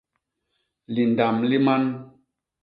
Lindam li man.